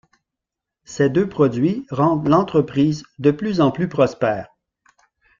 Ces deux produits rendent l'entreprise de plus en plus prospère.